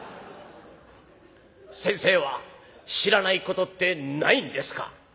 「先生は知らないことってないんですか」。